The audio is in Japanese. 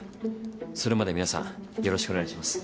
それまで皆さんよろしくお願いします。